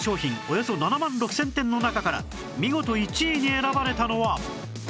およそ７万６０００点の中から見事１位に選ばれたのは